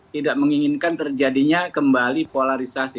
tidak menginginkan terjadinya kembali polarisasi